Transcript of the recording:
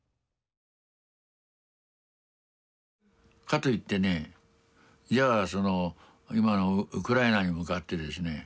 かといってねじゃあその今のウクライナに向かってですね